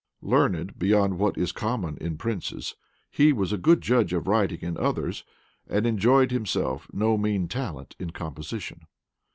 Learned beyond what is common in princes, he was a good judge of writing in others, and enjoyed himself no mean talent in composition.